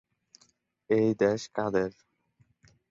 এই দেশ কাদের?